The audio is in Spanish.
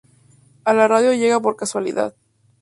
A la radio llegó por casualidad.